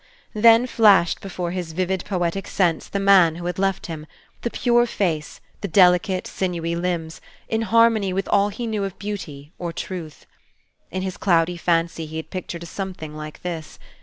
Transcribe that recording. Then flashed before his vivid poetic sense the man who had left him, the pure face, the delicate, sinewy limbs, in harmony with all he knew of beauty or truth. In his cloudy fancy he had pictured a Something like this.